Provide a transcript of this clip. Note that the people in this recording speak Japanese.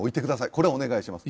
これはお願いします。